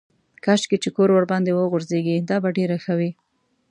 کاشکې چې کور ورباندې وغورځېږي دا به ډېره ښه وي.